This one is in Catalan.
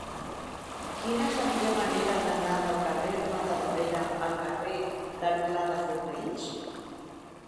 Quina és la millor manera d'anar del carrer de Matadepera al carrer del Pla de Fornells?